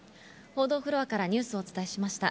報道フロアからニュースをお伝えしました。